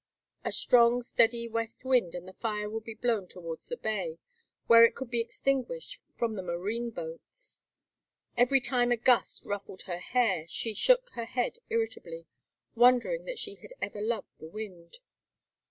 A strong steady west wind and the fire would be blown towards the bay, where it could be extinguished from the marine boats. Every time a gust ruffled her hair she shook her head irritably, wondering that she had ever loved the wind.